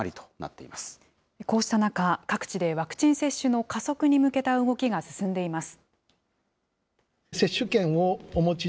こうした中、各地でワクチン接種の加速に向けた動きが進んでいます。